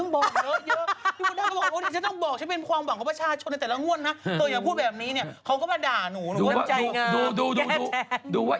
นะฮะ